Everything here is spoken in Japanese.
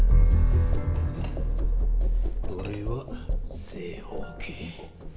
これは正方形。